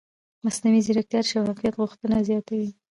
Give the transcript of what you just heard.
مصنوعي ځیرکتیا د شفافیت غوښتنه زیاتوي.